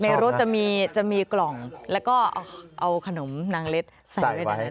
ในรถจะมีกล่องแล้วก็เอาขนมนางเล็ดใส่ไว้ในรถ